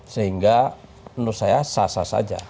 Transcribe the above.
sehingga menurut saya sasar saja